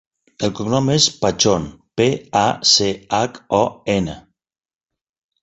El cognom és Pachon: pe, a, ce, hac, o, ena.